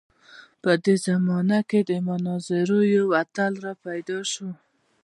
په دې زمانه کې د مناظرو یو اتل راپیدا شو.